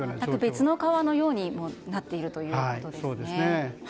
別の川のようになっているということですね。